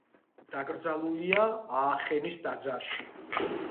დაკრძალულია აახენის ტაძარში.